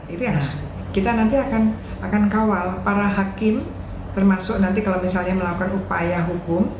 itu yang kita nanti akan kawal para hakim termasuk nanti kalau misalnya melakukan upaya hukum